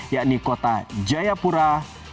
yakni kota jayapura kabupaten